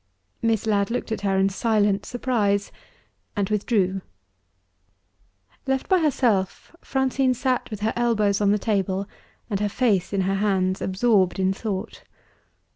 Miss Ladd looked at her in silent surprise, and withdrew. Left by herself, Francine sat with her elbows on the table and her face in her hands, absorbed in thought.